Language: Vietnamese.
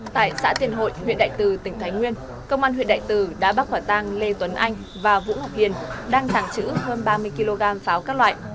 tại xã tiền hội huyện đại từ tỉnh thái nguyên công an huyện đại từ đã bắt quả tăng lê tuấn anh và vũ học hiền đang thẳng chữ hơn ba mươi kg pháo các loại